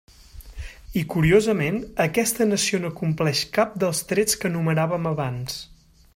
I curiosament, aquesta nació no compleix cap dels trets que enumeràvem abans.